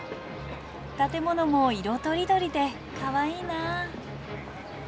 建物も色とりどりでかわいいな。